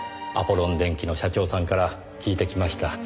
アポロン電機の社長さんから聞いてきました。